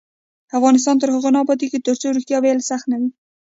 افغانستان تر هغو نه ابادیږي، ترڅو ریښتیا ویل سخت نه وي.